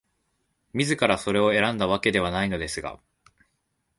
自らそれを選んだわけではないのですが、